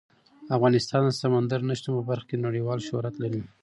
افغانستان د سمندر نه شتون په برخه کې نړیوال شهرت لري.